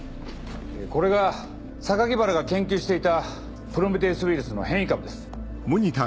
これが原が研究していたプロメテウス・ウイルスの変異株です。